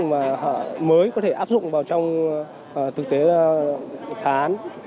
và mới có thể áp dụng vào trong thực tế thán